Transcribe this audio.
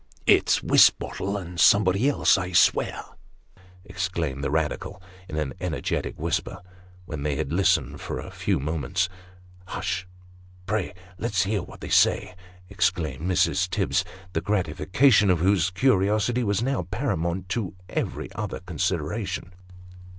"It's Wisbottle and somebody, I'll swear," exclaimed the Eadical in an energetic whisper, when they had listened for a few moments. " Hush pray let's hear what they say !" exclaimed Mrs. Tibbs, the gratification of whose curiosity was now paramount to every other consideration.